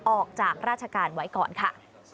ออกจากราชการไว้ก่อนค่ะ